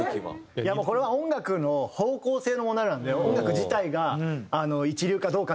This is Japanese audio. いやもうこれは音楽の方向性の問題なんで音楽自体が一流かどうかではないので。